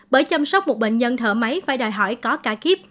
bởi chăm sóc một bệnh nhân thở máy phải đòi hỏi có cả kíp